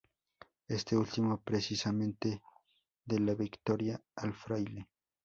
Este último, precisamente, da la victoria al fraile.